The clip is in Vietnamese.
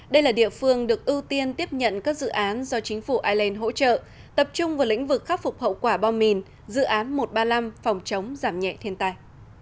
đây là địa phương được ưu tiên tiếp nhận các dự án do chính phủ ireland hỗ trợ tập trung vào lĩnh vực khắc phục hậu quả bom mìn dự án một trăm ba mươi năm phòng chống giảm nhẹ thiên tài